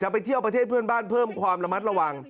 ไปเที่ยวประเทศเพื่อนบ้านเพิ่มความระมัดระวัง